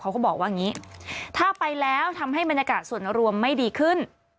เขาก็บอกว่าอย่างนี้ถ้าไปแล้วทำให้บรรยากาศส่วนรวมไม่ดีขึ้น